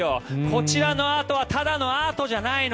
こちらのアートはただのアートじゃないの。